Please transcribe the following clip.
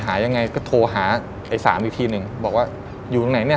หายังไงก็โทรหาไอ้สามอีกทีหนึ่งบอกว่าอยู่ตรงไหนเนี่ย